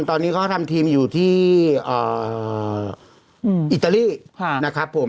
ตอนนี้เขาทำทีมอยู่ที่อิตาลีนะครับผม